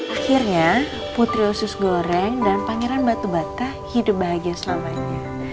akhirnya putri osus goreng dan pangeran batu bata hidup bahagia selamanya